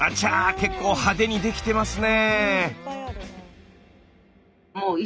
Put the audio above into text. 結構派手にできてますね。